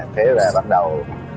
thế là bắt đầu